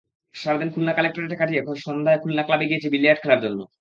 সারা দিন খুলনা কালেক্টরেটে কাটিয়ে সন্ধ্যায় খুলনা ক্লাবে গিয়েছি বিলিয়ার্ড খেলার জন্য।